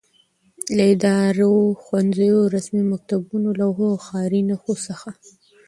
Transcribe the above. له ادارو، ښوونځیو، رسمي مکتوبونو، لوحو او ښاري نښو څخه